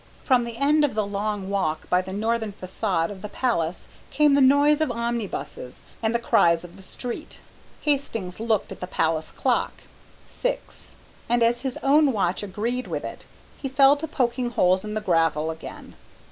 From the end of the long walk by the northern façade of the Palace came the noise of omnibuses and the cries of the street. Hastings looked at the Palace clock. Six, and as his own watch agreed with it, he fell to poking holes in the gravel again.